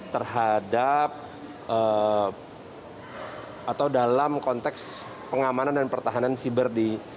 terhadap atau dalam konteks pengamanan dan pertahanan siber di